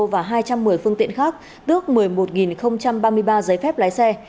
và hai trăm một mươi phương tiện khác tước một mươi một ba mươi ba giấy phép lái xe